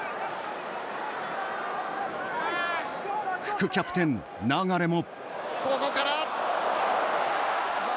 副キャプテン、流も。